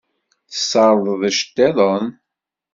Tessardeḍ iceṭṭiḍen?